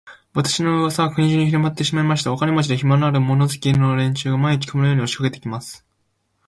私の噂は国中にひろまってしまいました。お金持で、暇のある、物好きな連中が、毎日、雲のように押しかけて来ます。